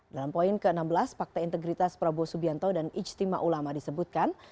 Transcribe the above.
dalam poin ke enam belas fakta integritas prabowo subianto dan ijtima ulama disebutkan